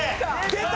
出た！